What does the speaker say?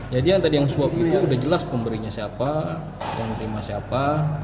jadi yang tadi yang suap itu sudah jelas pemberiannya siapa penerima siapa